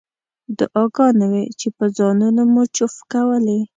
دعاګانې وې چې په ځانونو مو چوف کولې.